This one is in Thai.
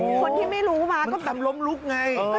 โอ้โฮมันทำล้มลุกไงโอ้โฮคนที่ไม่รู้มาก็แบบ